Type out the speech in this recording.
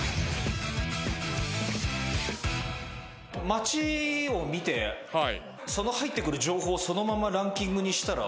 街を見て入ってくる情報をそのままランキングにしたら。